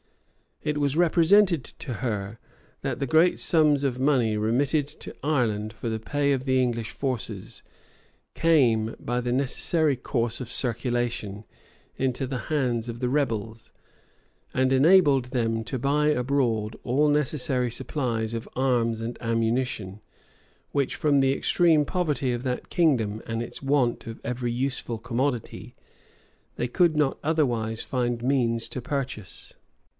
It was represented to her, that the great sums of money remitted to Ireland for the pay of the English forces, came, by the necessary course of circulation, into the hands of the rebels, and enabled them to buy abroad all necessary supplies of arms and ammunition, which, from the extreme poverty of that kingdom and its want of every useful commodity, they could not otherwise find means to purchase.